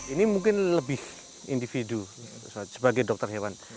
ini mungkin lebih individu sebagai dokter hewan